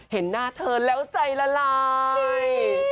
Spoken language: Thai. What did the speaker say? เห็นหน้าเธอแล้วใจละลาย